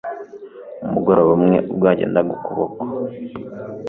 Umugoroba umwe ubwo yagendaga ukuboko